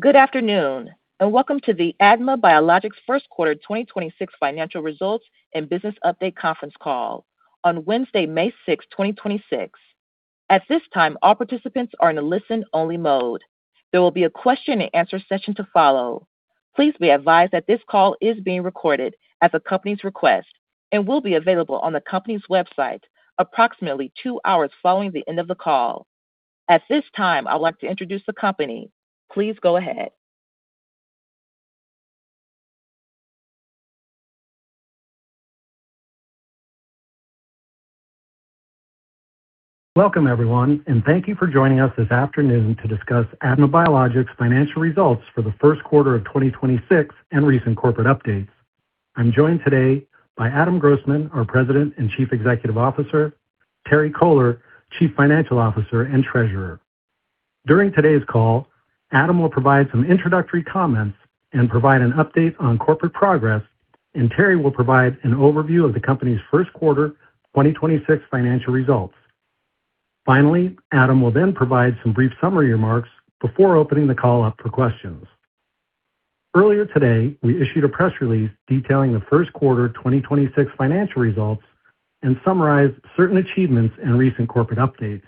Good afternoon, welcome to the ADMA Biologics first quarter 2026 financial results and business update conference call on Wednesday, May sixth, 2026. At this time, all participants are in a listen-only mode. There will be a question and answer session to follow. Please be advised that this call is being recorded at the company's request and will be available on the company's website approximately two hours following the end of the call. At this time, I would like to introduce the company. Please go ahead. Welcome, everyone, and thank you for joining us this afternoon to discuss ADMA Biologics' financial results for the first quarter of 2026 and recent corporate updates. I'm joined today by Adam Grossman, our President and Chief Executive Officer, Terry Kohler, Chief Financial Officer and Treasurer. During today's call, Adam will provide some introductory comments and provide an update on corporate progress, and Terry will provide an overview of the company's first-quarter 2026 financial results. Finally, Adam will then provide some brief summary remarks before opening the call up for questions. Earlier today, we issued a press release detailing the first quarter 2026 financial results and summarized certain achievements and recent corporate updates.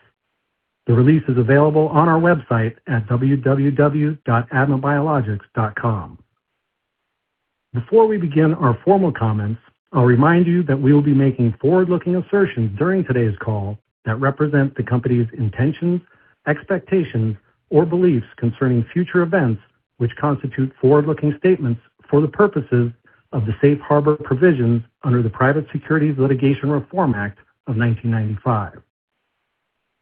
The release is available on our website at www.admabiologics.com. Before we begin our formal comments, I'll remind you that we will be making forward-looking assertions during today's call that represent the company's intentions, expectations, or beliefs concerning future events, which constitute forward-looking statements for the purposes of the safe harbor provisions under the Private Securities Litigation Reform Act of 1995.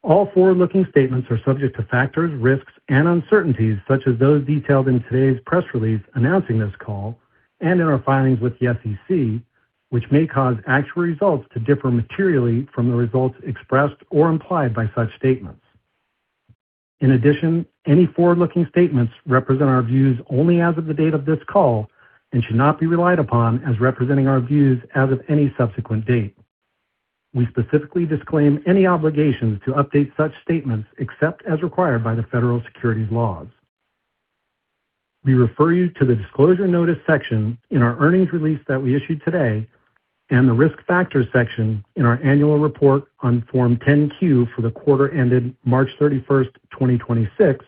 All forward-looking statements are subject to factors, risks, and uncertainties, such as those detailed in today's press release announcing this call and in our filings with the SEC, which may cause actual results to differ materially from the results expressed or implied by such statements. In addition, any forward-looking statements represent our views only as of the date of this call and should not be relied upon as representing our views as of any subsequent date. We specifically disclaim any obligations to update such statements except as required by the federal securities laws. We refer you to the Disclosure Notice section in our earnings release that we issued today and the Risk Factors section in our annual report on Form 10-Q for the quarter ended March 31st, 2026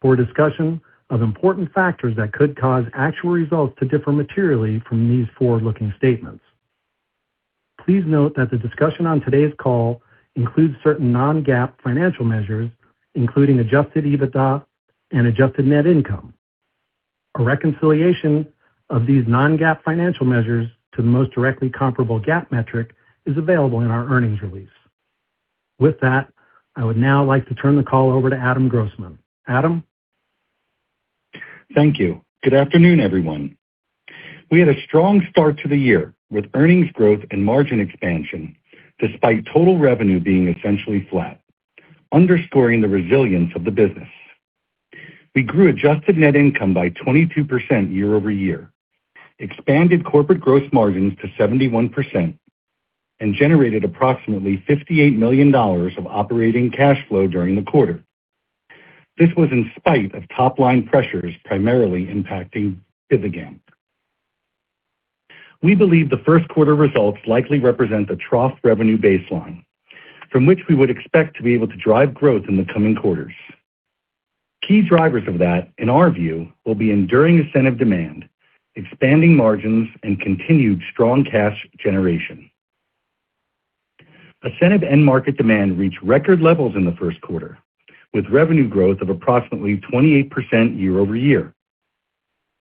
for a discussion of important factors that could cause actual results to differ materially from these forward-looking statements. Please note that the discussion on today's call includes certain non-GAAP financial measures, including adjusted EBITDA and adjusted net income. A reconciliation of these non-GAAP financial measures to the most directly comparable GAAP metric is available in our earnings release. With that, I would now like to turn the call over to Adam Grossman. Adam. Thank you. Good afternoon, everyone. We had a strong start to the year with earnings growth and margin expansion, despite total revenue being essentially flat, underscoring the resilience of the business. We grew adjusted net income by 22% year over year, expanded corporate gross margins to 71%, and generated approximately $58 million of operating cash flow during the quarter. This was in spite of top-line pressures primarily impacting BIVIGAM. We believe the first quarter results likely represent the trough revenue baseline from which we would expect to be able to drive growth in the coming quarters. Key drivers of that, in our view, will be enduring ASCENIV demand, expanding margins, and continued strong cash generation. ASCENIV end market demand reached record levels in the first quarter, with revenue growth of approximately 28% year over year.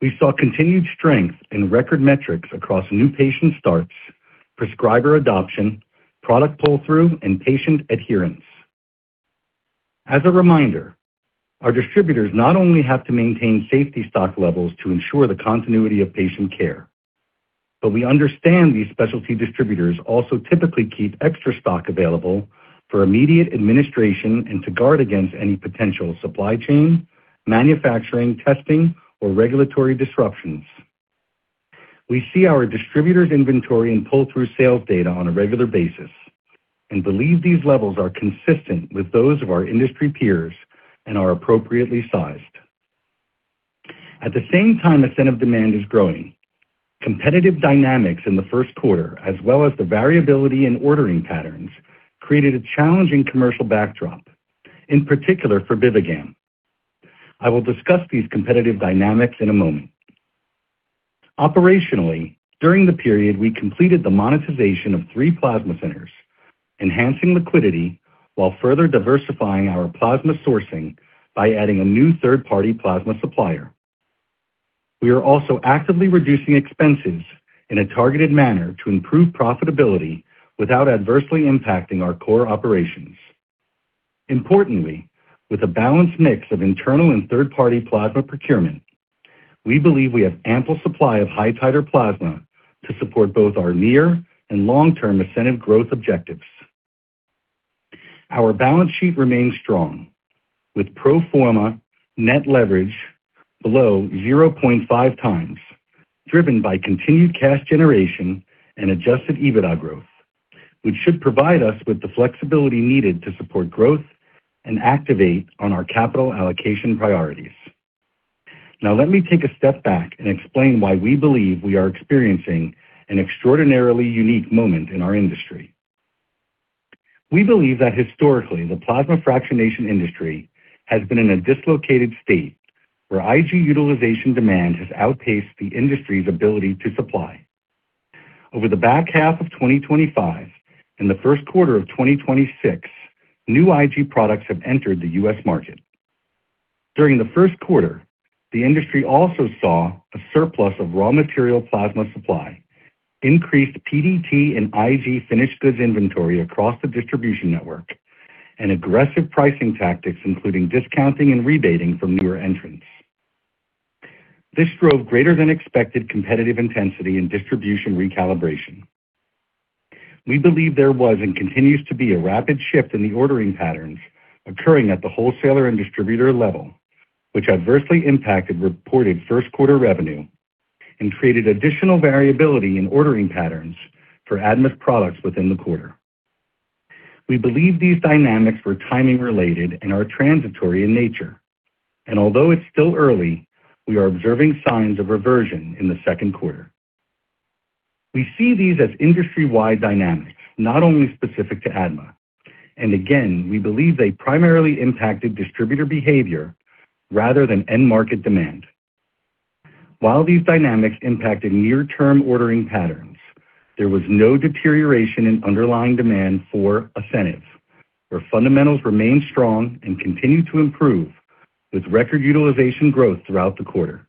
We saw continued strength in record metrics across new patient starts, prescriber adoption, product pull-through, and patient adherence. As a reminder, our distributors not only have to maintain safety stock levels to ensure the continuity of patient care, but we understand these specialty distributors also typically keep extra stock available for immediate administration and to guard against any potential supply chain, manufacturing, testing, or regulatory disruptions. We see our distributors' inventory and pull-through sales data on a regular basis and believe these levels are consistent with those of our industry peers and are appropriately sized. At the same time, ASCENIV demand is growing. Competitive dynamics in the first quarter, as well as the variability in ordering patterns, created a challenging commercial backdrop, in particular for BIVIGAM. I will discuss these competitive dynamics in a moment. Operationally, during the period, we completed the monetization of three plasma centers, enhancing liquidity while further diversifying our plasma sourcing by adding a new third-party plasma supplier. We are also actively reducing expenses in a targeted manner to improve profitability without adversely impacting our core operations. Importantly, with a balanced mix of internal and third-party plasma procurement, we believe we have ample supply of high-titer plasma to support both our near- and long-term ASCENIV growth objectives. Our balance sheet remains strong, with pro forma net leverage below 0.5 times, driven by continued cash generation and adjusted EBITDA growth. Which should provide us with the flexibility needed to support growth and activate on our capital allocation priorities. Now, let me take a step back and explain why we believe we are experiencing an extraordinarily unique moment in our industry. We believe that historically, the plasma fractionation industry has been in a dislocated state where IG utilization demand has outpaced the industry's ability to supply. Over the back half of 2025 and the first quarter of 2026, new IG products have entered the U.S. market. During the first quarter, the industry also saw a surplus of raw material plasma supply, increased PDT and IG finished goods inventory across the distribution network, and aggressive pricing tactics, including discounting and rebating from newer entrants. This drove greater than expected competitive intensity and distribution recalibration. We believe there was and continues to be a rapid shift in the ordering patterns occurring at the wholesaler and distributor level, which adversely impacted reported first quarter revenue and created additional variability in ordering patterns for ADMA's products within the quarter. We believe these dynamics were timing related and are transitory in nature. Although it's still early, we are observing signs of reversion in the second quarter. We see these as industry-wide dynamics, not only specific to ADMA Biologics, and again, we believe they primarily impacted distributor behavior rather than end market demand. While these dynamics impacted near-term ordering patterns, there was no deterioration in underlying demand for ASCENIV, where fundamentals remain strong and continue to improve with record utilization growth throughout the quarter.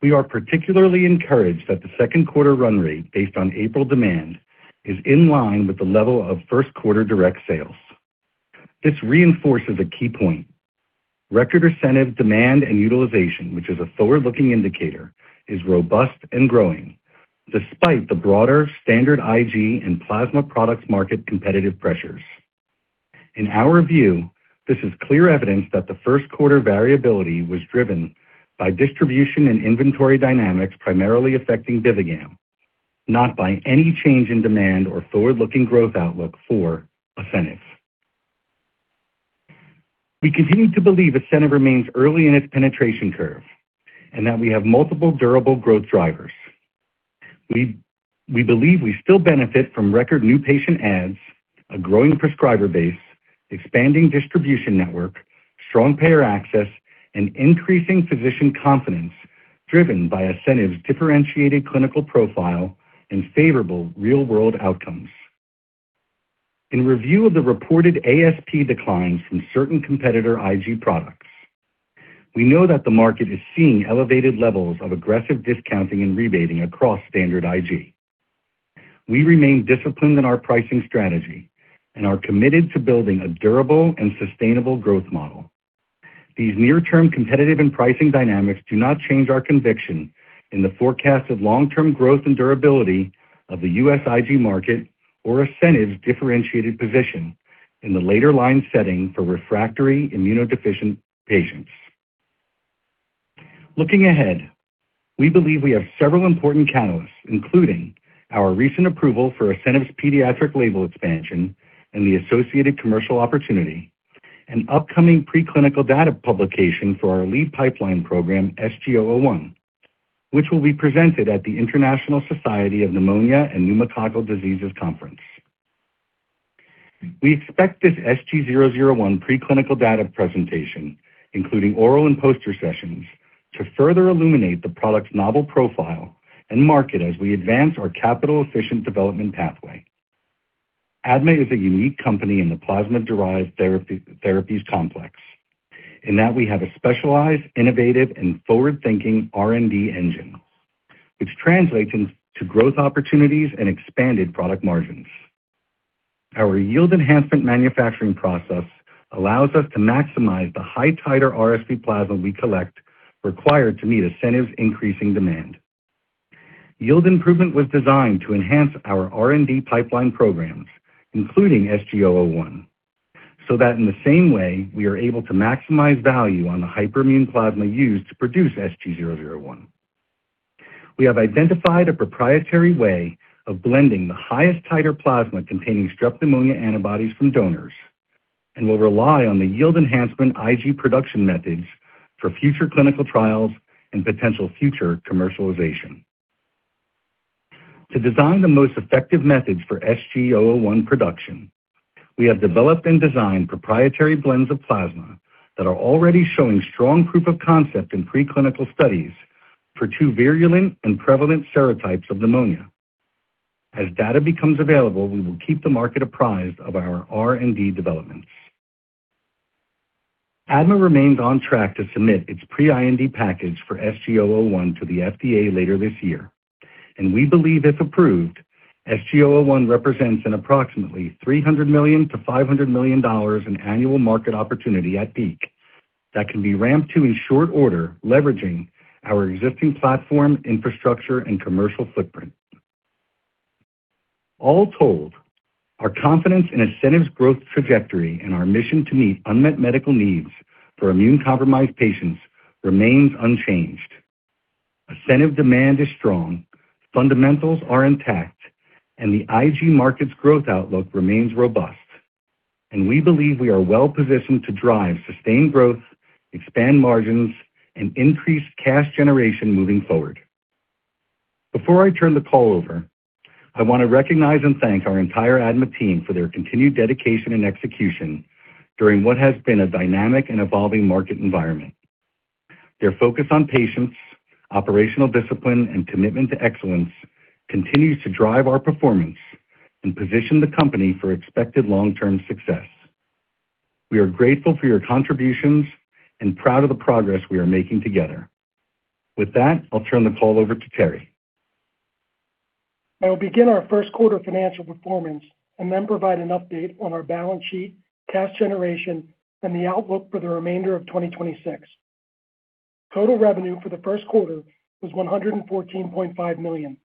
We are particularly encouraged that the second quarter run rate based on April demand is in line with the level of first quarter direct sales. This reinforces a key point. Record ASCENIV demand and utilization, which is a forward-looking indicator, is robust and growing despite the broader standard IG and plasma products market competitive pressures. In our view, this is clear evidence that the first quarter variability was driven by distribution and inventory dynamics primarily affecting BIVIGAM, not by any change in demand or forward-looking growth outlook for ASCENIV. We continue to believe ASCENIV remains early in its penetration curve and that we have multiple durable growth drivers. We believe we still benefit from record new patient adds, a growing prescriber base, expanding distribution network, strong payer access, and increasing physician confidence driven by ASCENIV's differentiated clinical profile and favorable real-world outcomes. In review of the reported ASP declines from certain competitor IG products, we know that the market is seeing elevated levels of aggressive discounting and rebating across standard IG. We remain disciplined in our pricing strategy and are committed to building a durable and sustainable growth model. These near-term competitive and pricing dynamics do not change our conviction in the forecast of long-term growth and durability of the U.S. IG market or ASCENIV's differentiated position in the later line setting for refractory immunodeficient patients. Looking ahead, we believe we have several important catalysts, including our recent approval for ASCENIV's pediatric label expansion and the associated commercial opportunity, and upcoming preclinical data publication for our lead pipeline program, SG-001, which will be presented at the International Symposium on Pneumococci and Pneumococcal Diseases conference. We expect this SG-001 preclinical data presentation, including oral and poster sessions, to further illuminate the product's novel profile and market as we advance our capital-efficient development pathway. ADMA is a unique company in the plasma-derived therapies complex in that we have a specialized, innovative, and forward-thinking R&D engine, which translates into growth opportunities and expanded product margins. Our yield enhancement manufacturing process allows us to maximize the high titer RSV plasma we collect required to meet ASCENIV's increasing demand. Yield improvement was designed to enhance our R&D pipeline programs, including SG-001, so that in the same way we are able to maximize value on the hyperimmune plasma used to produce SG-001. We have identified a proprietary way of blending the highest titer plasma containing Streptococcus pneumoniae antibodies from donors and will rely on the yield enhancement IG production methods for future clinical trials and potential future commercialization. To design the most effective methods for SG-001 production, we have developed and designed proprietary blends of plasma that are already showing strong proof of concept in preclinical studies for TWO virulent and prevalent serotypes of pneumonia. As data becomes available, we will keep the market apprised of our R&D developments. ADMA remains on track to submit its Pre-IND package for SG-001 to the FDA later this year. We believe if approved, SG-001 represents an approximately $300 million-$500 million in annual market opportunity at peak that can be ramped to in short order, leveraging our existing platform, infrastructure, and commercial footprint. All told, our confidence in ASCENIV's growth trajectory and our mission to meet unmet medical needs for immune-compromised patients remains unchanged. ASCENIV demand is strong, fundamentals are intact, and the IG markets growth outlook remains robust. We believe we are well-positioned to drive sustained growth, expand margins, and increase cash generation moving forward. Before I turn the call over, I want to recognize and thank our entire ADMA team for their continued dedication and execution during what has been a dynamic and evolving market environment. Their focus on patients, operational discipline, and commitment to excellence continues to drive our performance and position the company for expected long-term success. We are grateful for your contributions and proud of the progress we are making together. With that, I'll turn the call over to Terry. I will begin our first quarter financial performance and then provide an update on our balance sheet, cash generation, and the outlook for the remainder of 2026. Total revenue for the first quarter was $114.5 million,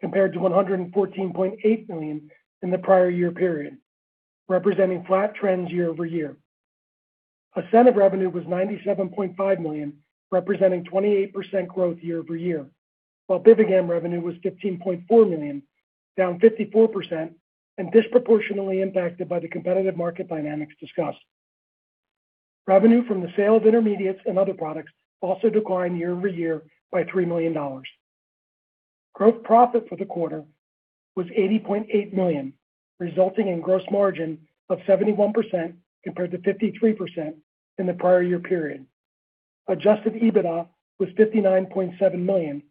compared to $114.8 million in the prior year period, representing flat trends year-over-year. ASCENIV revenue was $97.5 million, representing 28% growth year-over-year, while BIVIGAM revenue was $15.4 million, down 54% and disproportionately impacted by the competitive market dynamics discussed. Revenue from the sale of intermediates and other products also declined year-over-year by $3 million. Gross profit for the quarter was $80.8 million, resulting in gross margin of 71% compared to 53% in the prior year period. Adjusted EBITDA was $59.7 million,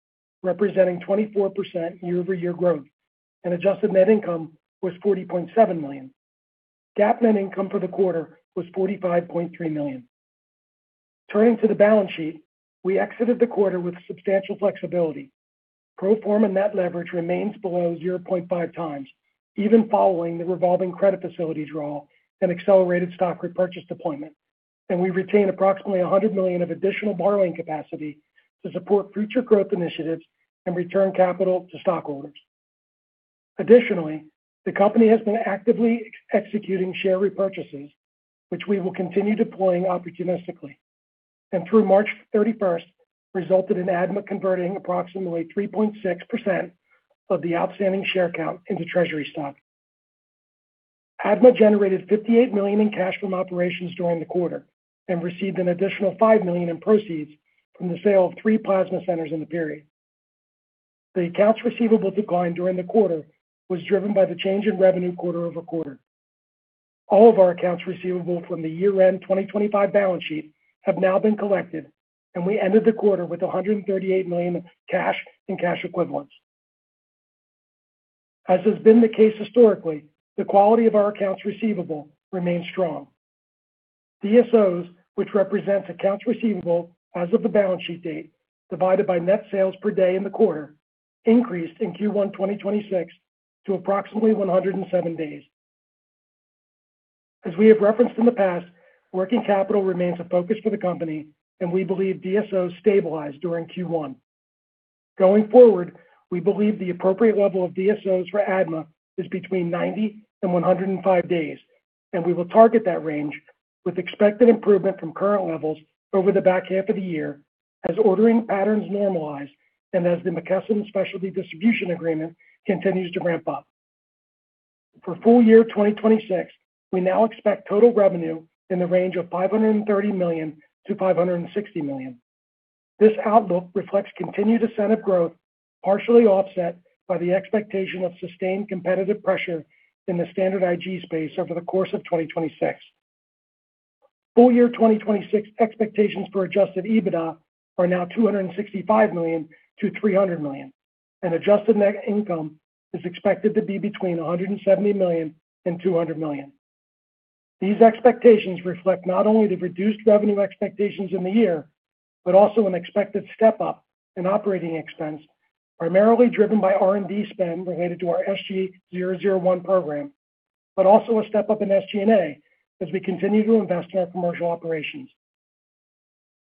representing 24% year-over-year growth, and adjusted net income was $40.7 million. GAAP net income for the quarter was $45.3 million. Turning to the balance sheet, we exited the quarter with substantial flexibility. Pro forma net leverage remains below 0.5 times, even following the revolving credit facility draw and accelerated stock repurchase deployment, and we retain approximately $100 million of additional borrowing capacity to support future growth initiatives and return capital to stockholders. Additionally, the company has been actively executing share repurchases, which we will continue deploying opportunistically, and through March 31st, resulted in ADMA converting approximately 3.6% of the outstanding share count into treasury stock. ADMA generated $58 million in cash from operations during the quarter and received an additional $5 million in proceeds from the sale of three plasma centers in the period. The accounts receivable decline during the quarter was driven by the change in revenue quarter-over-quarter. All of our accounts receivable from the year-end 2025 balance sheet have now been collected, and we ended the quarter with $138 million cash and cash equivalents. As has been the case historically, the quality of our accounts receivable remains strong. DSOs, which represents accounts receivable as of the balance sheet date, divided by net sales per day in the quarter, increased in Q1 2026 to approximately 107 days. As we have referenced in the past, working capital remains a focus for the company and we believe DSOs stabilized during Q1. Going forward, we believe the appropriate level of DSOs for ADMA is between 90 and 105 days, and we will target that range with expected improvement from current levels over the back half of the year as ordering patterns normalize and as the McKesson specialty distribution agreement continues to ramp up. For full year 2026, we now expect total revenue in the range of $530 million-$560 million. This outlook reflects continued ASCENIV growth, partially offset by the expectation of sustained competitive pressure in the standard IG space over the course of 2026. Full year 2026 expectations for adjusted EBITDA are now $265 million-$300 million, and adjusted net income is expected to be between $170 million and $200 million. These expectations reflect not only the reduced revenue expectations in the year, but also an expected step-up in operating expense, primarily driven by R&D spend related to our SG-001 program, but also a step-up in SG&A as we continue to invest in our commercial operations.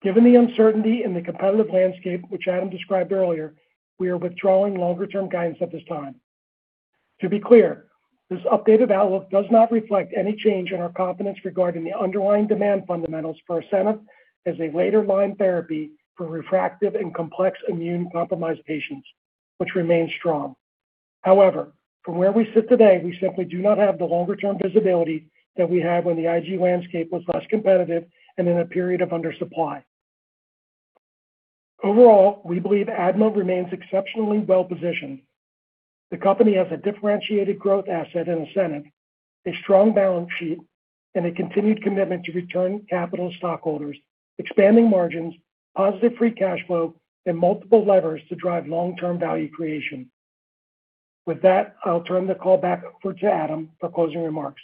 Given the uncertainty in the competitive landscape, which Adam described earlier, we are withdrawing longer-term guidance at this time. To be clear, this updated outlook does not reflect any change in our confidence regarding the underlying demand fundamentals for ASCENIV as a later line therapy for refractive and complex immune-compromised patients, which remains strong. However, from where we sit today, we simply do not have the longer-term visibility that we had when the IG landscape was less competitive and in a period of undersupply. Overall, we believe ADMA remains exceptionally well-positioned. The company has a differentiated growth asset in ASCENIV, a strong balance sheet, and a continued commitment to return capital stockholders, expanding margins, positive free cash flow, and multiple levers to drive long-term value creation. With that, I'll turn the call back to Adam for closing remarks.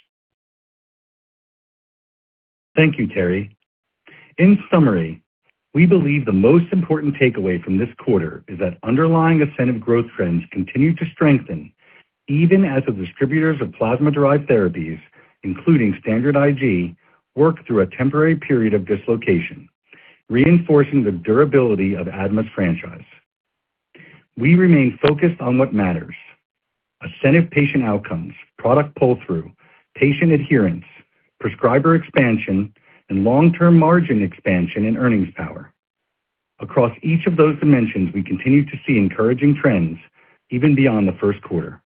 Thank you, Terry. In summary, we believe the most important takeaway from this quarter is that underlying ASCENIV growth trends continue to strengthen even as the distributors of plasma-derived therapies, including standard IG, work through a temporary period of dislocation, reinforcing the durability of ADMA's franchise. We remain focused on what matters, ASCENIV patient outcomes, product pull-through, patient adherence, prescriber expansion, and long-term margin expansion and earnings power. Across each of those dimensions, we continue to see encouraging trends even beyond the first quarter.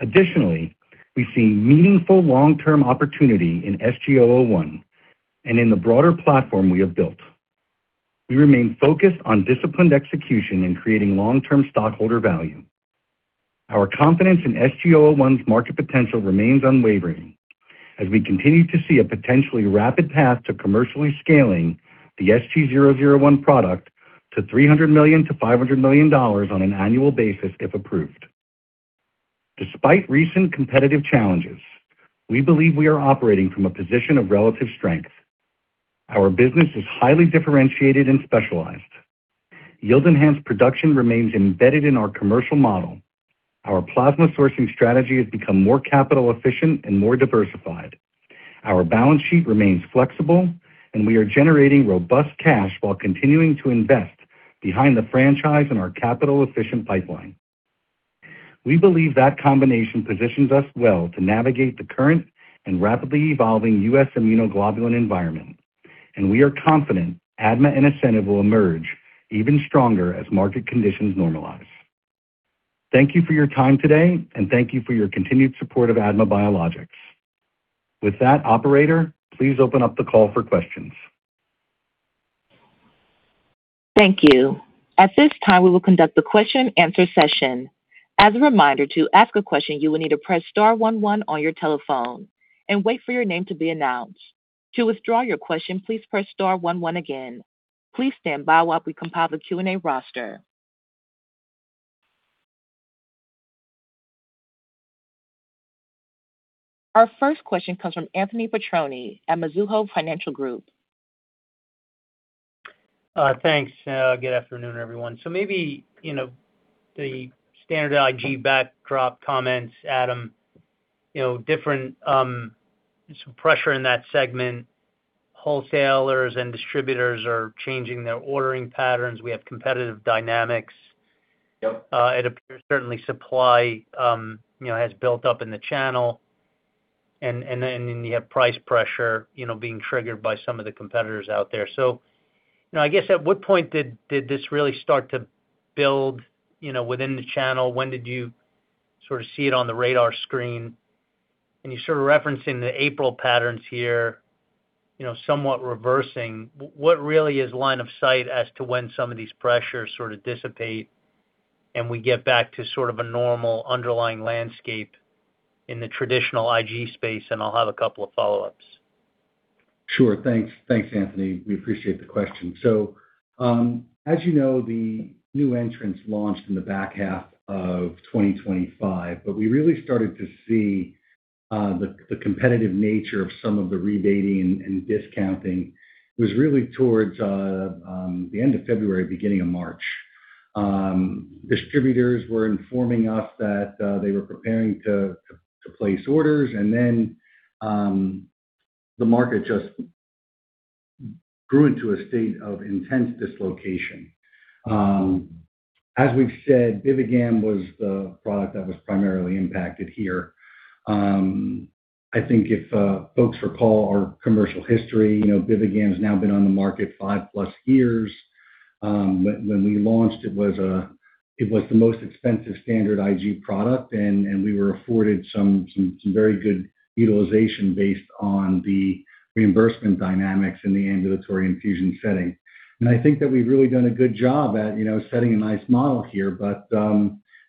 Additionally, we see meaningful long-term opportunity in SG-001 and in the broader platform we have built. We remain focused on disciplined execution in creating long-term stockholder value. Our confidence in SG-001's market potential remains unwavering as we continue to see a potentially rapid path to commercially scaling the SG-001 product to $300 million-$500 million on an annual basis if approved. Despite recent competitive challenges, we believe we are operating from a position of relative strength. Our business is highly differentiated and specialized. Yield-enhanced production remains embedded in our commercial model. Our plasma sourcing strategy has become more capital efficient and more diversified. Our balance sheet remains flexible, and we are generating robust cash while continuing to invest behind the franchise and our capital-efficient pipeline. We believe that combination positions us well to navigate the current and rapidly evolving U.S. immunoglobulin environment, and we are confident ADMA and ASCENIV will emerge even stronger as market conditions normalize. Thank you for your time today, and thank you for your continued support of ADMA Biologics. With that, operator, please open up the call for questions. Thank you. At this time, we will conduct the question-answer session. As a reminder, to ask a question, you will need to press Star one one on your telephone and wait for your name to be announced. To withdraw your question, please press Star one one again. Please stand by while we compile the Q&A roster. Our first question comes from Anthony Petrone at Mizuho Financial Group. Thanks. Good afternoon, everyone. Maybe, you know, the standard IG backdrop comments, Adam, you know, different, some pressure in that segment, wholesalers and distributors are changing their ordering patterns. We have competitive dynamics. Yep. It appears certainly supply, you know, has built up in the channel and then you have price pressure, you know, being triggered by some of the competitors out there. You know, I guess at what point did this really start to build, you know, within the channel? When did you sort of see it on the radar screen? You're sort of referencing the April patterns here, you know, somewhat reversing. What really is line of sight as to when some of these pressures sort of dissipate and we get back to sort of a normal underlying landscape in the traditional IG space? I'll have a couple of follow-ups. Sure. Thanks. Thanks, Anthony. We appreciate the question. As you know, the new entrants launched in the back half of 2025, but we really started to see the competitive nature of some of the rebating and discounting was really towards the end of February, beginning of March. Distributors were informing us that they were preparing to place orders, the market just grew into a state of intense dislocation. As we've said, BIVIGAM was the product that was primarily impacted here. I think if folks recall our commercial history, you know, BIVIGAM's now been on the market 5+ years. When we launched, it was the most expensive standard IG product, and we were afforded some very good utilization based on the reimbursement dynamics in the ambulatory infusion setting. I think that we've really done a good job at, you know, setting a nice model here.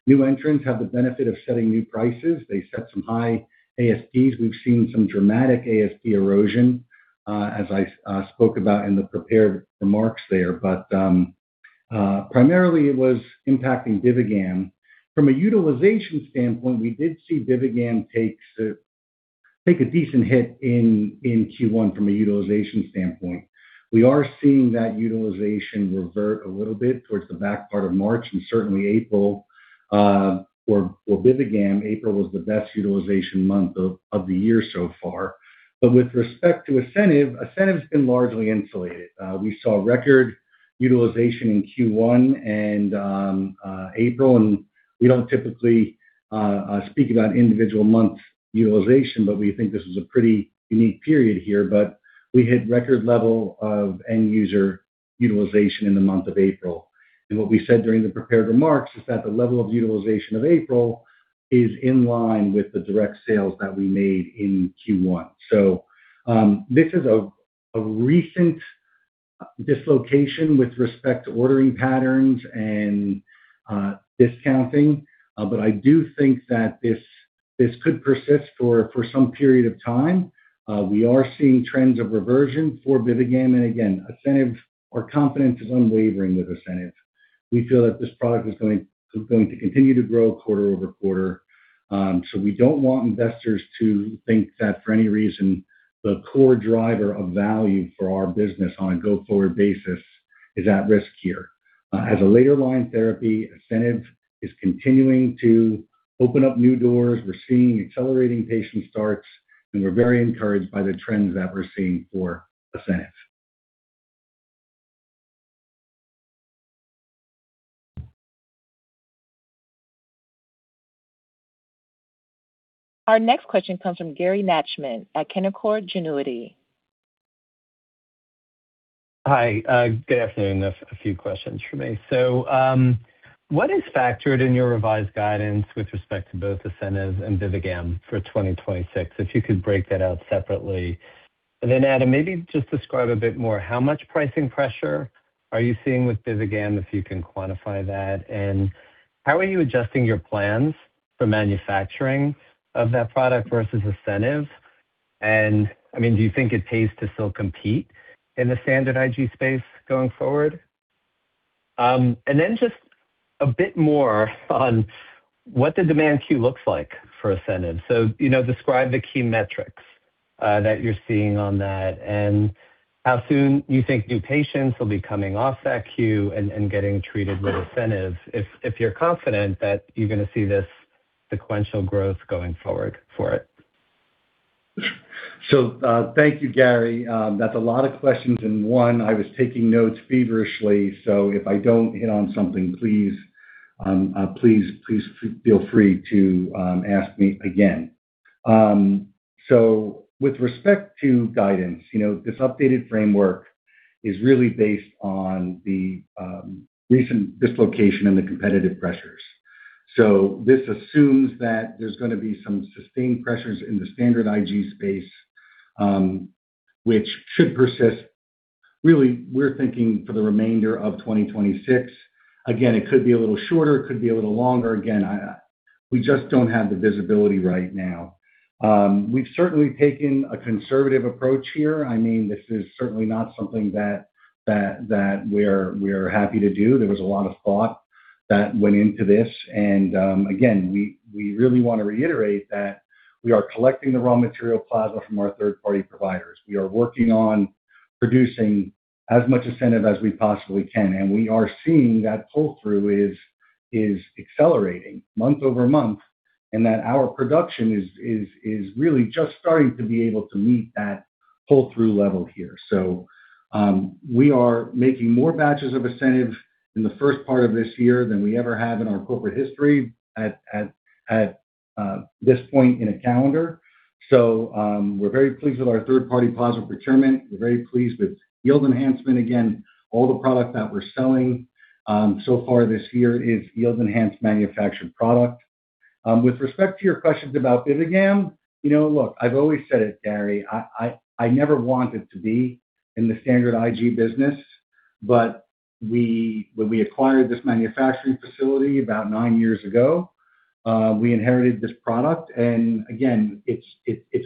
New entrants have the benefit of setting new prices. They set some high ASPs. We've seen some dramatic ASP erosion, as I spoke about in the prepared remarks there. Primarily it was impacting BIVIGAM. From a utilization standpoint, we did see BIVIGAM take a decent hit in Q1 from a utilization standpoint. We are seeing that utilization revert a little bit towards the back part of March, and certainly April, for BIVIGAM, April was the best utilization month of the year so far. With respect to ASCENIV's been largely insulated. We saw record utilization in Q1 and April, and we don't typically speak about individual month utilization, but we think this is a pretty unique period here. We hit record level of end user utilization in the month of April. What we said during the prepared remarks is that the level of utilization of April is in line with the direct sales that we made in Q1. This is a recent dislocation with respect to ordering patterns and discounting. I do think that this could persist for some period of time. We are seeing trends of reversion for BIVIGAM, and again, ASCENIV, our confidence is unwavering with ASCENIV. We feel that this product is going to continue to grow quarter over quarter. We don't want investors to think that for any reason the core driver of value for our business on a go-forward basis is at risk here. As a later line therapy, ASCENIV is continuing to open up new doors. We're seeing accelerating patient starts, and we're very encouraged by the trends that we're seeing for ASCENIV. Our next question comes from Gary Nachman at Canaccord Genuity. Hi, good afternoon. A few questions from me. What is factored in your revised guidance with respect to both ASCENIV and BIVIGAM for 2026? If you could break that out separately. Adam, maybe just describe a bit more how much pricing pressure are you seeing with BIVIGAM, if you can quantify that. How are you adjusting your plans for manufacturing of that product versus ASCENIV? I mean, do you think it pays to still compete in the standard IG space going forward? Just a bit more on what the demand queue looks like for ASCENIV. you know, describe the key metrics that you're seeing on that and how soon you think new patients will be coming off that queue and getting treated with ASCENIV if you're confident that you're gonna see this sequential growth going forward for it? Thank you, Gary. That's a lot of questions in one. I was taking notes feverishly, if I don't hit on something, please feel free to ask me again. With respect to guidance, you know, this updated framework is really based on the recent dislocation and the competitive pressures. This assumes that there's gonna be some sustained pressures in the standard IG space, which should persist, really we're thinking for the remainder of 2026. Again, it could be a little shorter, it could be a little longer. Again, I, we just don't have the visibility right now. We've certainly taken a conservative approach here. I mean, this is certainly not something that we're happy to do. There was a lot of thought that went into this. Again, we really want to reiterate that we are collecting the raw material plasma from our third-party providers. We are working on producing as much ASCENIV as we possibly can, and we are seeing that pull-through is accelerating month-over-month, and that our production is really just starting to be able to meet that pull-through level here. We are making more batches of ASCENIV in the first part of this year than we ever have in our corporate history at this point in a calendar. We're very pleased with our third-party plasma procurement. We're very pleased with yield enhancement. Again, all the product that we're selling so far this year is yield-enhanced manufactured product. With respect to your questions about BIVIGAM, you know, look, I've always said it, Gary, I never wanted to be in the standard IG business, but when we acquired this manufacturing facility about NINE years ago, we inherited this product. Again, it's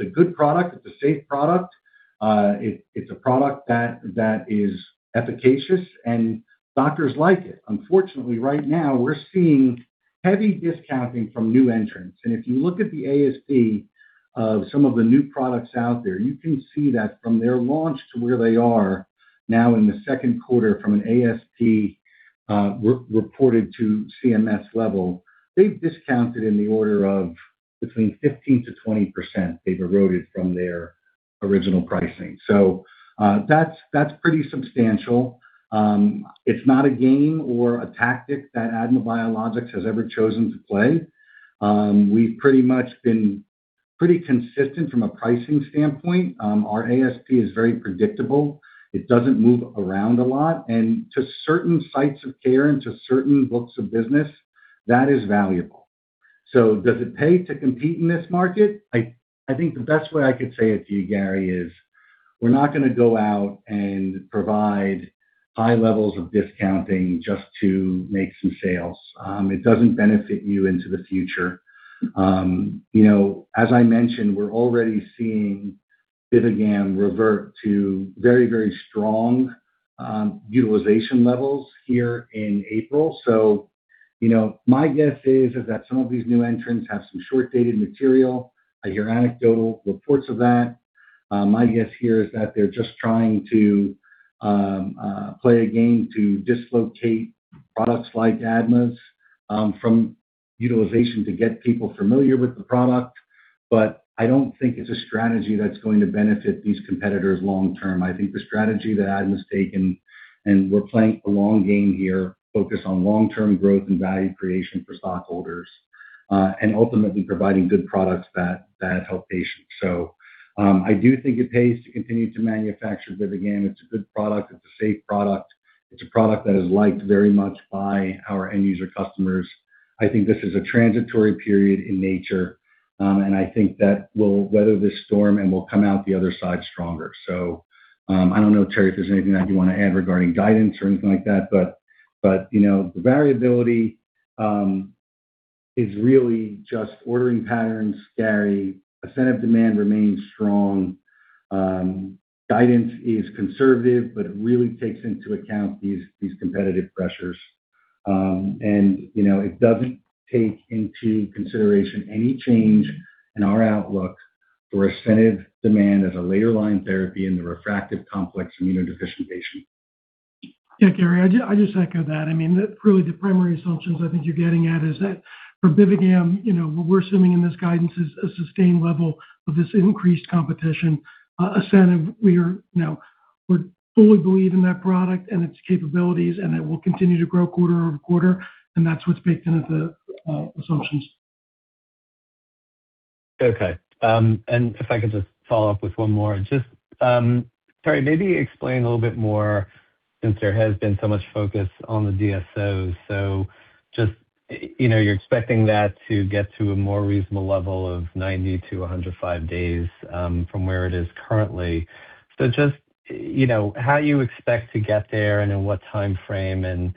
a good product. It's a safe product. It's a product that is efficacious and doctors like it. Unfortunately, right now we're seeing heavy discounting from new entrants. If you look at the ASP of some of the new products out there, you can see that from their launch to where they are now in the second quarter from an ASP, re-reported to CMS level, they've discounted in the order of between 15%-20% they've eroded from their original pricing. That's pretty substantial. It's not a game or a tactic that ADMA Biologics has ever chosen to play. We've pretty much been pretty consistent from a pricing standpoint. Our ASP is very predictable. It doesn't move around a lot. To certain sites of care and to certain books of business, that is valuable. Does it pay to compete in this market? I think the best way I could say it to you, Gary, is we're not gonna go out and provide high levels of discounting just to make some sales. It doesn't benefit you into the future. You know, as I mentioned, we're already seeing BIVIGAM revert to very strong utilization levels here in April. You know, my guess is that some of these new entrants have some short-dated material. I hear anecdotal reports of that. My guess here is that they're just trying to play a game to dislocate products like ADMA's from utilization to get people familiar with the product, but I don't think it's a strategy that's going to benefit these competitors long term. I think the strategy that ADMA's taken, and we're playing the long game here, focus on long-term growth and value creation for stockholders, and ultimately providing good products that help patients. I do think it pays to continue to manufacture BIVIGAM. It's a good product. It's a safe product. It's a product that is liked very much by our end user customers. I think this is a transitory period in nature, and I think that we'll weather this storm and we'll come out the other side stronger. I don't know, Terry, if there's anything that you want to add regarding guidance or anything like that, but you know, the variability is really just ordering patterns, Gary. ASCENIV demand remains strong. Guidance is conservative, but it really takes into account these competitive pressures. You know, it doesn't take into consideration any change in our outlook for ASCENIV demand as a later line therapy in the refractive complex immunodeficient patient. Yeah, Gary, I just echo that. I mean, the really the primary assumptions I think you're getting at is that for BIVIGAM, you know, what we're assuming in this guidance is a sustained level of this increased competition. ASCENIV we are, you know, we fully believe in that product and its capabilities, and it will continue to grow quarter over quarter, and that's what's baked into the assumptions. Okay. If I could just follow up with one more. Just, Terry, maybe explain a little bit more since there has been so much focus on the DSOs. Just, you know, you're expecting that to get to a more reasonable level of 90-105 days from where it is currently. Just, you know, how you expect to get there and in what timeframe and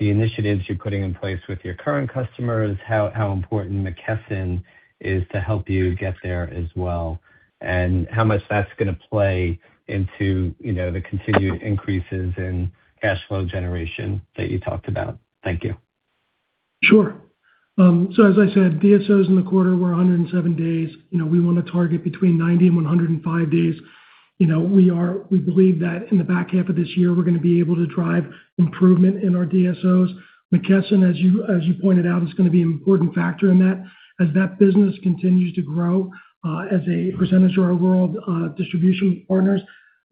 the initiatives you're putting in place with your current customers, how important McKesson is to help you get there as well, and how much that's gonna play into, you know, the continued increases in cash flow generation that you talked about. Thank you. Sure. As I said, DSOs in the quarter were 107 days. You know, we wanna target between 90 and 105 days. You know, we believe that in the back half of this year, we're gonna be able to drive improvement in our DSOs. McKesson, as you pointed out, is gonna be an important factor in that. As that business continues to grow, as a percentage of our overall distribution partners,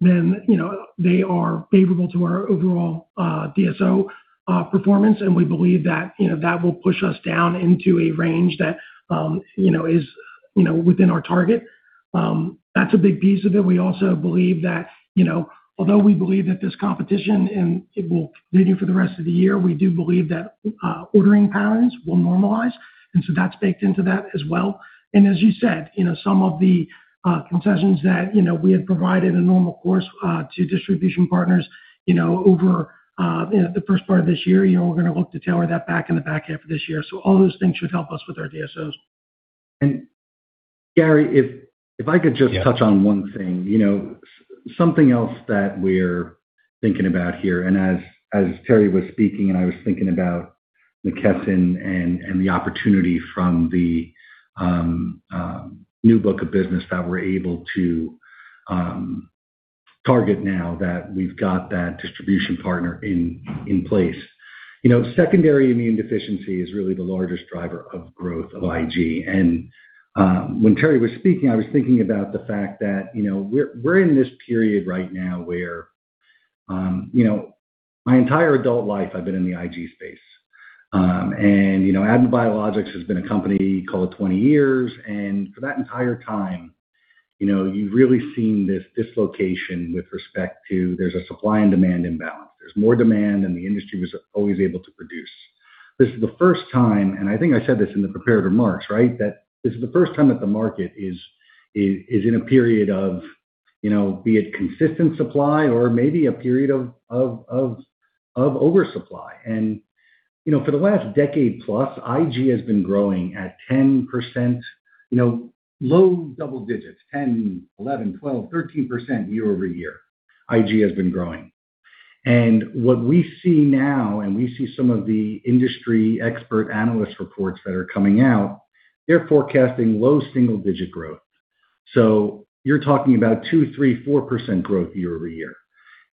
then, you know, they are favorable to our overall DSO performance. We believe that, you know, that will push us down into a range that, you know, is, you know, within our target. That's a big piece of it. We also believe that, you know, although we believe that this competition and it will continue for the rest of the year, we do believe that ordering patterns will normalize, and so that's baked into that as well. As you said, you know, some of the concessions that, you know, we had provided in normal course to distribution partners, you know, over, you know, the first part of this year, you know, we're gonna look to tailor that back in the back half of this year. All those things should help us with our DSOs. Gary, Yeah. To touch on one thing. You know, something else that we're thinking about here. As Terry was speaking, I was thinking about McKesson and the opportunity from the new book of business that we're able to target now that we've got that distribution partner in place. You know, secondary immune deficiency is really the largest driver of growth of IG. When Terry was speaking, I was thinking about the fact that, you know, we're in this period right now where, you know, my entire adult life I've been in the IG space. You know, ADMA Biologics has been a company, call it 20 years, and for that entire time, you know, you've really seen this dislocation with respect to there's a supply and demand imbalance. There's more demand than the industry was always able to produce. This is the first time, and I think I said this in the prepared remarks, right? That this is the first time that the market is in a period of, you know, be it consistent supply or maybe a period of oversupply. You know, for the last decade+, IG has been growing at 10%, you know, low double digits, 10%, 11%, 12%, 13% year-over-year IG has been growing. What we see now, and we see some of the industry expert analyst reports that are coming out, they're forecasting low single-digit growth. You're talking about 2%, 3%, 4% growth year-over-year.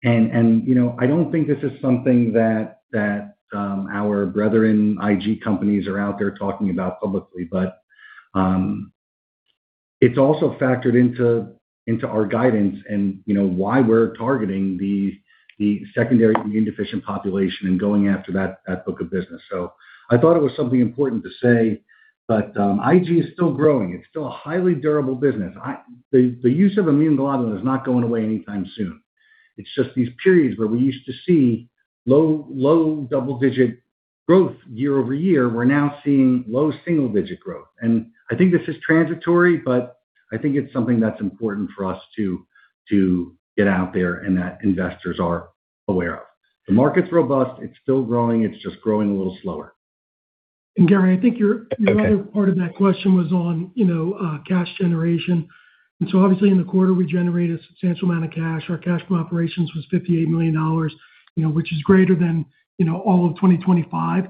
You know, I don't think this is something that our brethren IG companies are out there talking about publicly. It's also factored into our guidance and, you know, why we're targeting the secondary immune deficiency population and going after that book of business. I thought it was something important to say, but IG is still growing. It's still a highly durable business. The use of immunoglobulin is not going away anytime soon. It's just these periods where we used to see low double-digit growth year-over-year, we're now seeing low single-digit growth. I think this is transitory, but I think it's something that's important for us to get out there and that investors are aware of. The market's robust. It's still growing. It's just growing a little slower. Gary, I think. Okay. Your other part of that question was on, you know, cash generation. Obviously, in the quarter, we generated a substantial amount of cash. Our cash from operations was $58 million, you know, which is greater than, you know, all of 2025.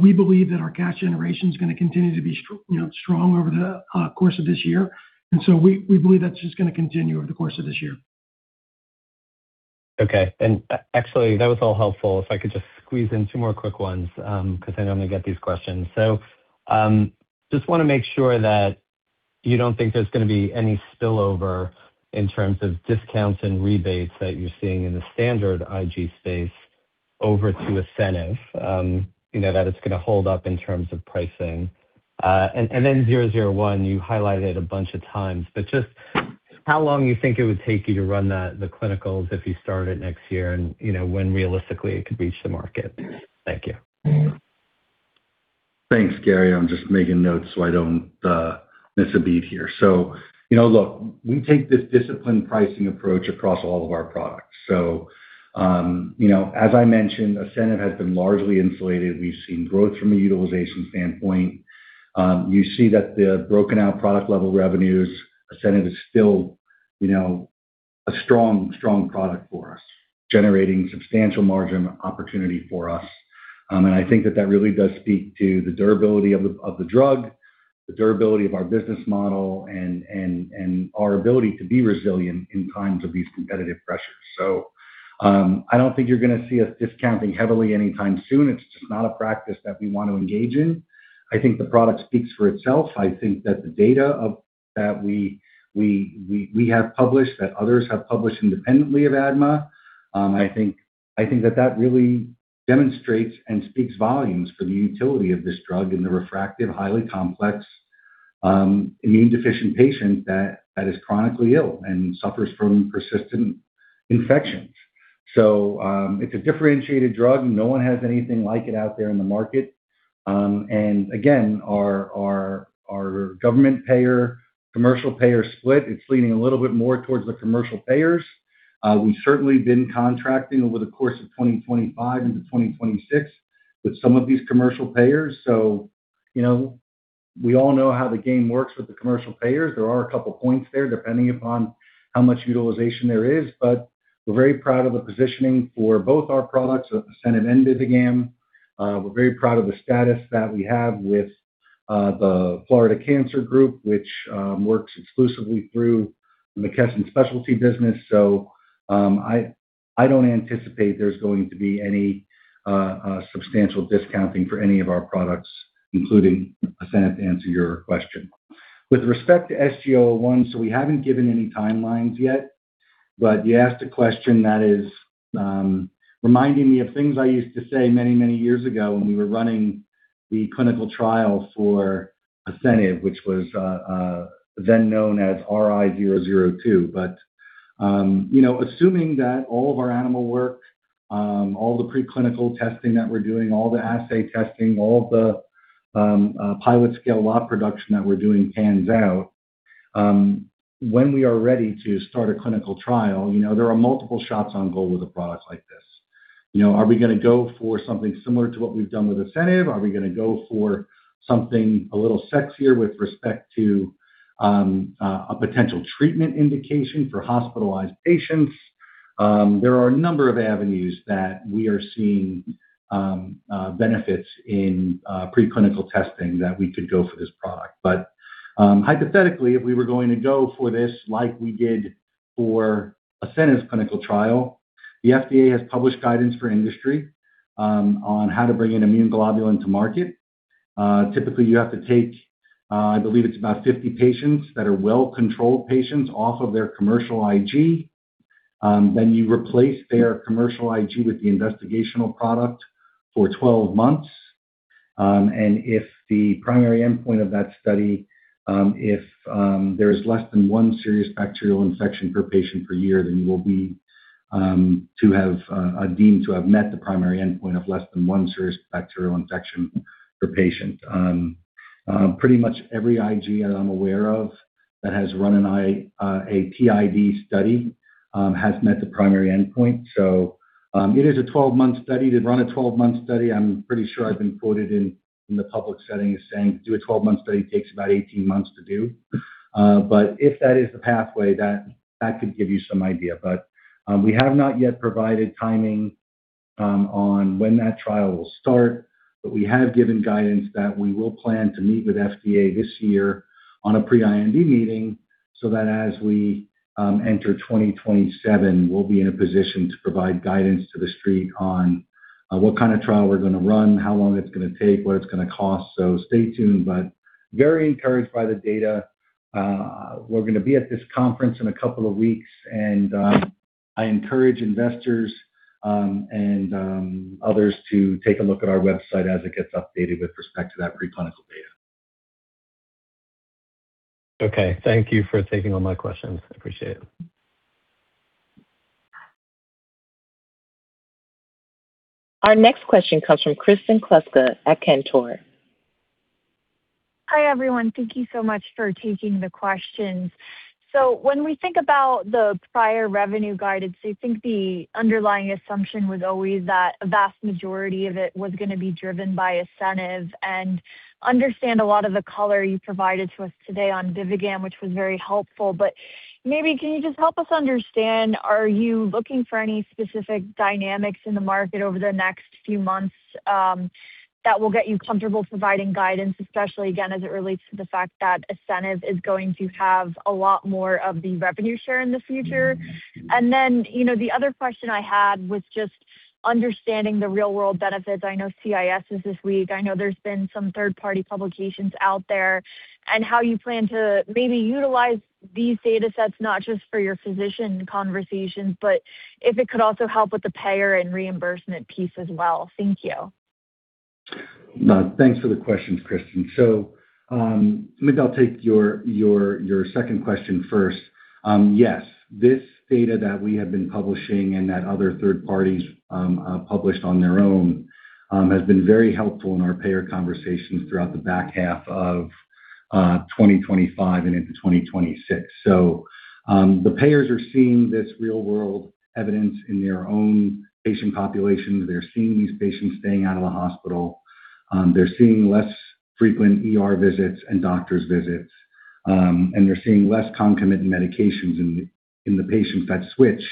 We believe that our cash generation is gonna continue to be strong over the course of this year. We believe that's just gonna continue over the course of this year. Okay. Actually that was all helpful. If I could just squeeze in twomore quick ones, 'cause I normally get these questions. Just wanna make sure that you don't think there's gonna be any spillover in terms of discounts and rebates that you're seeing in the standard IG space over to ASCENIV. You know, that it's gonna hold up in terms of pricing. Then SG-001, you highlighted a bunch of times, but just how long you think it would take you to run that, the clinicals if you start it next year and, you know, when realistically it could reach the market? Thank you. Thanks, Gary. I'm just making notes so I don't miss a beat here. You know, look, we take this disciplined pricing approach across all of our products. You see that the broken out product level revenues, ASCENIV is still, you know, a strong product for us, generating substantial margin opportunity for us. I think that really does speak to the durability of the drug. The durability of our business model and our ability to be resilient in times of these competitive pressures. I don't think you're gonna see us discounting heavily anytime soon. It's just not a practice that we want to engage in. I think the product speaks for itself. I think that the data that we have published, that others have published independently of ADMA, I think that really demonstrates and speaks volumes for the utility of this drug in the refractive, highly complex, immune-deficient patient that is chronically ill and suffers from persistent infections. It's a differentiated drug. No one has anything like it out there in the market. Again, our government payer, commercial payer split, it's leaning a little bit more towards the commercial payers. We've certainly been contracting over the course of 2025 into 2026 with some of these commercial payers. You know, we all know how the game works with the commercial payers. There are a couple points there depending upon how much utilization there is, but we're very proud of the positioning for both our products with ASCENIV and BIVIGAM. We're very proud of the status that we have with the Florida Cancer Group, which works exclusively through the McKesson specialty business. I don't anticipate there's going to be any substantial discounting for any of our products, including ASCENIV, to answer your question. With respect to SG-001, so we haven't given any timelines yet, but you asked a question that is reminding me of things I used to say many, many years ago when we were running the clinical trial for ASCENIV, which was then known as RI-002. Assuming that all of our animal work, all the preclinical testing that we're doing, all the assay testing, all the pilot scale lot production that we're doing pans out, when we are ready to start a clinical trial, you know, there are multiple shots on goal with a product like this. You know, are we gonna go for something similar to what we've done with ASCENIV? Are we gonna go for something a little sexier with respect to a potential treatment indication for hospitalized patients? There are a number of avenues that we are seeing benefits in preclinical testing that we could go for this product. Hypothetically, if we were going to go for this like we did for ASCENIV's clinical trial, the FDA has published guidance for industry on how to bring an immunoglobulin to market. Typically you have to take, I believe it's about 50 patients that are well-controlled patients off of their commercial IG. Then you replace their commercial IG with the investigational product for 12 months. And if the primary endpoint of that study, if there's less than 1 serious bacterial infection per patient per year, then you will be deemed to have met the primary endpoint of less than 1 serious bacterial infection per patient. Pretty much every IG that I'm aware of that has run a PID study has met the primary endpoint. It is a 12-month study. To run a 12-month study, I'm pretty sure I've been quoted in the public settings saying, "To do a 12-month study takes about 18 months to do." If that is the pathway, that could give you some idea. We have not yet provided timing on when that trial will start. We have given guidance that we will plan to meet with FDA this year on a Pre-IND meeting so that as we enter 2027, we'll be in a position to provide guidance to the street on what kind of trial we're gonna run, how long it's gonna take, what it's gonna cost. Stay tuned. Very encouraged by the data. We're gonna be at this conference in a couple of weeks, and I encourage investors, and others to take a look at our website as it gets updated with respect to that preclinical data. Okay. Thank you for taking all my questions. I appreciate it. Our next question comes from Kristen Kleczka at Cantor. Hi, everyone. Thank you so much for taking the questions. When we think about the prior revenue guidance, I think the underlying assumption was always that a vast majority of it was gonna be driven by ASCENIV. Understand a lot of the color you provided to us today on BIVIGAM, which was very helpful. Maybe can you just help us understand, are you looking for any specific dynamics in the market over the next few months that will get you comfortable providing guidance, especially again, as it relates to the fact that ASCENIV is going to have a lot more of the revenue share in the future? Then, you know, the other question I had was just understanding the real world benefits. I know CIS is this week. I know there's been some third-party publications out there. How you plan to maybe utilize these datasets, not just for your physician conversations, but if it could also help with the payer and reimbursement piece as well. Thank you. No, thanks for the questions, Kristen. Maybe I'll take your second question first. Yes, this data that we have been publishing and that other third parties published on their own has been very helpful in our payer conversations throughout the back half of 2025 and into 2026. The payers are seeing this real world evidence in their own patient populations. They're seeing these patients staying out of the hospital. They're seeing less frequent ER visits and doctor's visits. They're seeing less concomitant medications in the patients that switch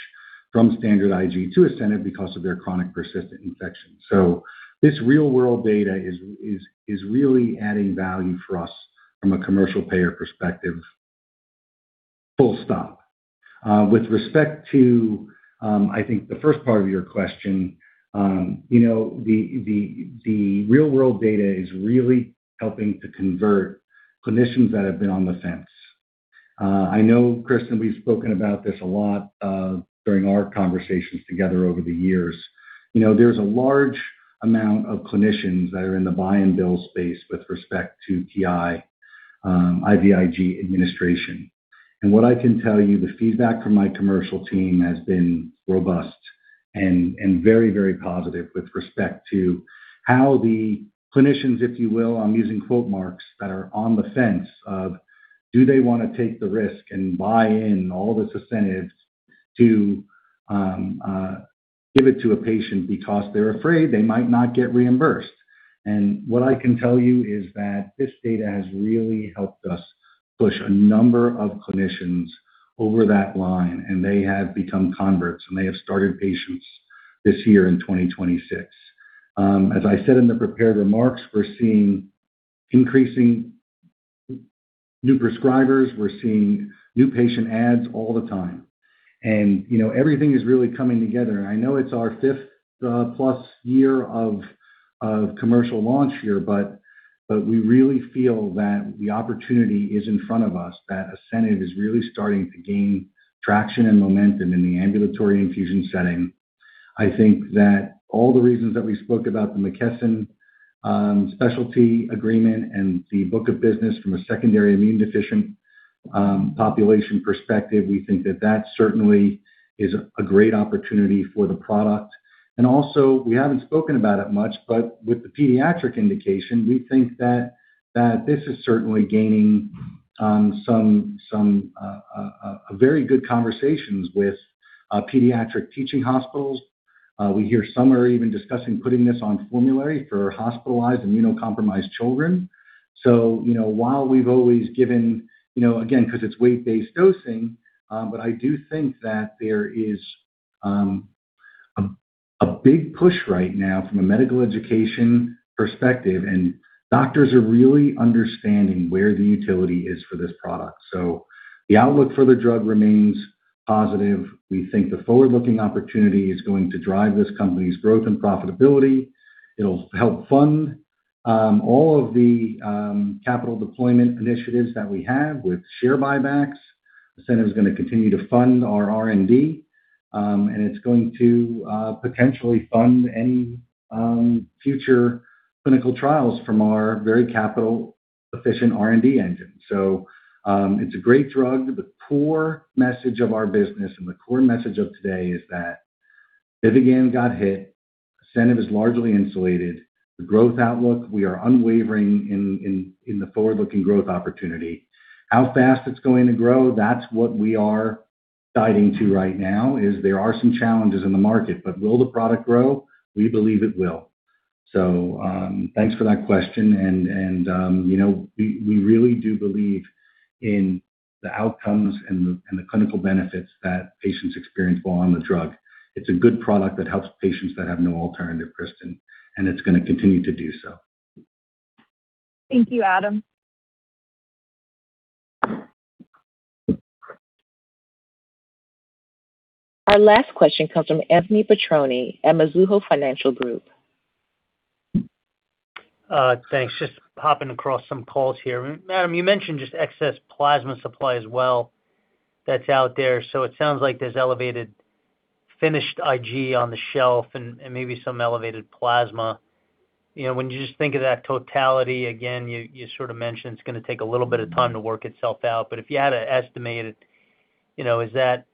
from standard IG to ASCENIV because of their chronic persistent infection. This real world data is really adding value for us from a commercial payer perspective. Full stop. With respect to, I think the first part of your question, you know, the real world data is really helping to convert clinicians that have been on the fence. I know, Kristen, we've spoken about this a lot during our conversations together over the years. You know, there's a large amount of clinicians that are in the buy and bill space with respect to PI, IVIG administration. What I can tell you, the feedback from my commercial team has been robust and very, very positive with respect to how the clinicians, if you will, I'm using quote marks, that are on the fence of do they wanna take the risk and buy in all this ASCENIV to give it to a patient because they're afraid they might not get reimbursed. What I can tell you is that this data has really helped us push a number of clinicians over that line, and they have become converts, and they have started patients this year in 2026. As I said in the prepared remarks, we're seeing increasing new prescribers. We're seeing new patient adds all the time. You know, everything is really coming together. I know it's our fifth plus year of commercial launch here, but we really feel that the opportunity is in front of us, that ASCENIV is really starting to gain traction and momentum in the ambulatory infusion setting. I think that all the reasons that we spoke about the McKesson specialty agreement and the book of business from a secondary immune deficient population perspective, we think that that certainly is a great opportunity for the product. We haven't spoken about it much, but with the pediatric indication, we think that this is certainly gaining some a very good conversations with pediatric teaching hospitals. We hear some are even discussing putting this on formulary for hospitalized immunocompromised children. You know, while we've always given, you know, again, because it's weight-based dosing, but I do think that there is a big push right now from a medical education perspective, and doctors are really understanding where the utility is for this product. The outlook for the drug remains positive. We think the forward-looking opportunity is going to drive this company's growth and profitability. It'll help fund all of the capital deployment initiatives that we have with share buybacks. ASCENIV is going to continue to fund our R&D, and it's going to potentially fund any future clinical trials from our very capital-efficient R&D engine. It's a great drug. The core message of our business and the core message of today is that BIVIGAM got hit. ASCENIV is largely insulated. The growth outlook, we are unwavering in the forward-looking growth opportunity. How fast it's going to grow, that's what we are guiding to right now, is there are some challenges in the market. Will the product grow? We believe it will. Thanks for that question and, you know, we really do believe in the outcomes and the clinical benefits that patients experience while on the drug. It's a good product that helps patients that have no alternative, Kristen, and it's going to continue to do so. Thank you, Adam. Our last question comes from Anthony Petrone at Mizuho Financial Group. Thanks. Just hopping across some calls here. Adam, you mentioned just excess plasma supply as well that's out there. It sounds like there's elevated finished IG on the shelf and maybe some elevated plasma. You know, when you just think of that totality, again, you sort of mentioned it's gonna take a little bit of time to work itself out. If you had to estimate it, you know, is that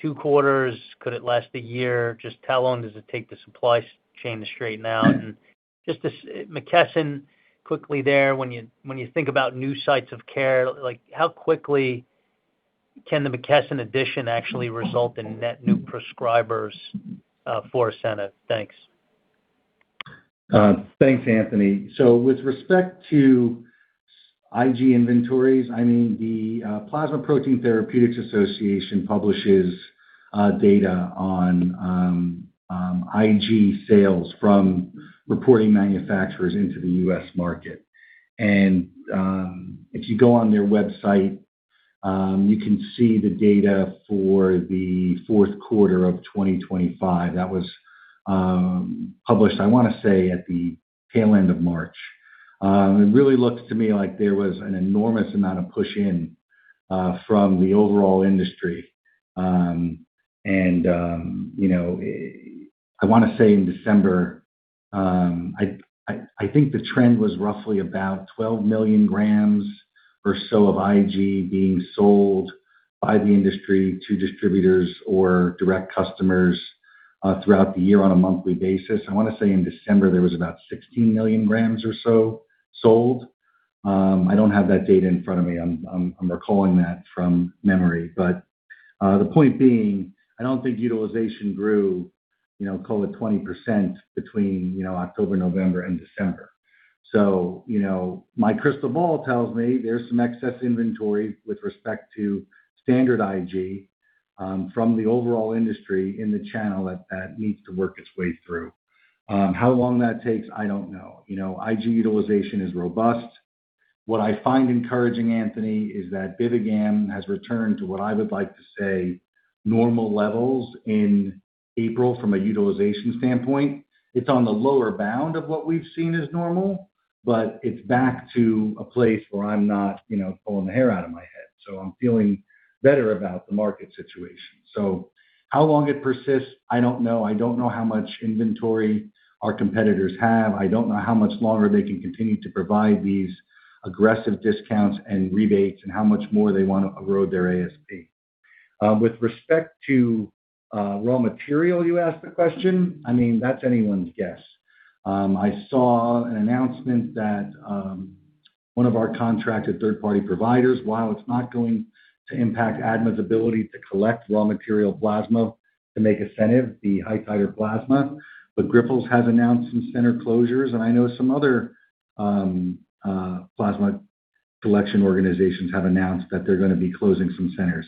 2 quarters? Could it last 1 year? Just how long does it take the supply chain to straighten out? Just McKesson, quickly there, when you think about new sites of care, like how quickly can the McKesson addition actually result in net new prescribers for ASCENIV? Thanks. Thanks, Anthony. With respect to IG inventories, I mean, the Plasma Protein Therapeutics Association publishes data on IG sales from reporting manufacturers into the U.S. market. If you go on their website, you can see the data for the fourth quarter of 2025. That was published, I wanna say, at the tail end of March. It really looks to me like there was an enormous amount of push in from the overall industry. You know, I wanna say in December, I think the trend was roughly about 12 million grams or so of IG being sold by the industry to distributors or direct customers throughout the year on a monthly basis. I wanna say in December, there was about 16 million grams or so sold. I don't have that data in front of me. I'm recalling that from memory. The point being, I don't think utilization grew, you know, call it 20% between, you know, October, November, and December. My crystal ball tells me there's some excess inventory with respect to standard IG from the overall industry in the channel that needs to work its way through. How long that takes, I don't know. You know, IG utilization is robust. What I find encouraging, Anthony, is that BIVIGAM has returned to what I would like to say normal levels in April from a utilization standpoint. It's on the lower bound of what we've seen as normal, but it's back to a place where I'm not, you know, pulling the hair out of my head. I'm feeling better about the market situation. How long it persists, I don't know. I don't know how much inventory our competitors have. I don't know how much longer they can continue to provide these aggressive discounts and rebates and how much more they want to erode their ASP. With respect to raw material, you asked the question, I mean, that's anyone's guess. I saw an announcement that one of our contracted third-party providers, while it's not going to impact ADMA's ability to collect raw material plasma to make ASCENIV, the high-titer plasma, but Grifols has announced some center closures, and I know some other plasma collection organizations have announced that they're going to be closing some centers.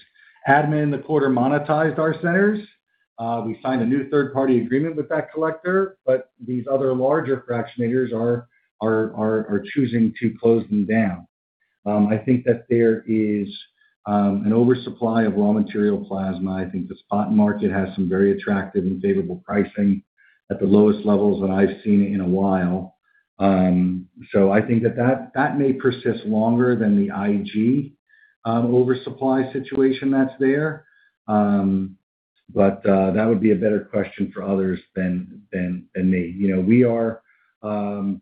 ADMA in the quarter monetized our centers. We signed a new third-party agreement with that collector, but these other larger fractionators are choosing to close them down. I think that there is an oversupply of raw material plasma. I think the spot market has some very attractive and favorable pricing at the lowest levels that I've seen in a while. I think that that may persist longer than the IG oversupply situation that's there. That would be a better question for others than me. You know, we are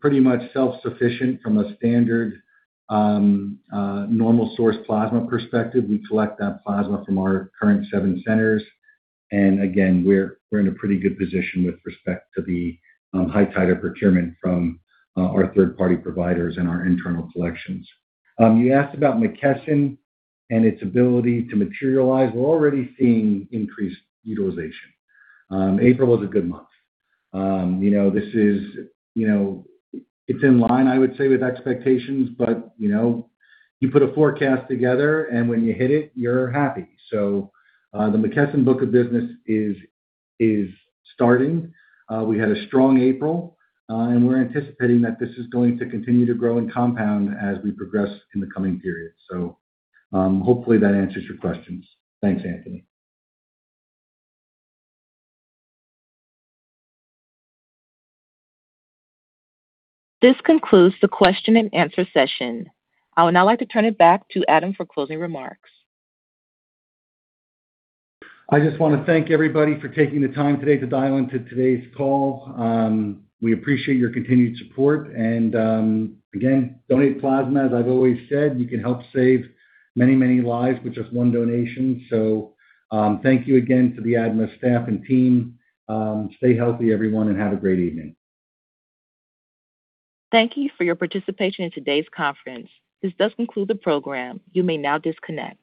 pretty much self-sufficient from a standard normal source plasma perspective. We collect that plasma from our current seven centers. Again, we're in a pretty good position with respect to the high titer procurement from our third-party providers and our internal collections. You asked about McKesson and its ability to materialize. We're already seeing increased utilization. April was a good month. You know, this is, you know, it's in line, I would say, with expectations. You know, you put a forecast together, and when you hit it, you're happy. The McKesson book of business is starting. We had a strong April, and we're anticipating that this is going to continue to grow and compound as we progress in the coming periods. Hopefully that answers your questions. Thanks, Anthony. This concludes the question and answer session. I would now like to turn it back to Adam for closing remarks. I just wanna thank everybody for taking the time today to dial into today's call. We appreciate your continued support and, again, donate plasma. As I've always said, you can help save many, many lives with just 1 donation. Thank you again to the ADMA staff and team. Stay healthy, everyone, and have a great evening. Thank you for your participation in today's conference. This does conclude the program. You may now disconnect.